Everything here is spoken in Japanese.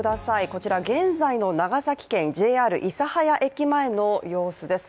こちら、現在の長崎県ＪＲ諫早駅前の様子です。